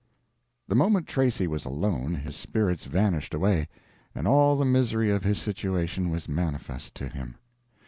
The moment Tracy was alone his spirits vanished away, and all the misery of his situation was manifest to him.